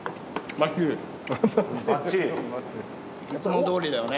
バッチリ？いつもどおりだよね。